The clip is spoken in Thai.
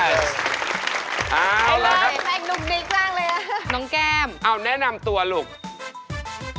เอาล่ะครับน้องแก้มแน่นำตัวลูกสวัสดีค่ะ